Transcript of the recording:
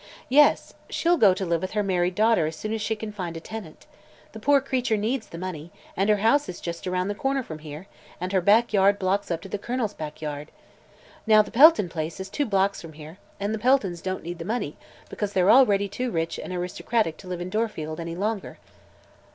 "Yes. She'll go to live with her married daughter as soon as she can find a tenant. The poor creature needs the money, and her house is just around the corner from here and her back yard backs up to the Colonel's back yard. Now, the Pelton place is two blocks from here, and the Peltons don't need the money, because they're already too rich and aristocratic to live in Dorfield any longer."